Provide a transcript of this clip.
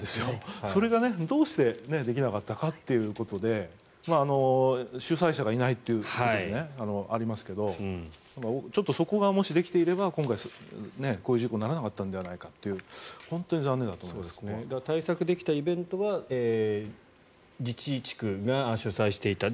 それがどうしてできなかったのかということで主催者がいないということでありますけれどもちょっとそこがもしできていれば今回、こういう事故にはならなかったのではという対策できたイベントは地区が主催していた。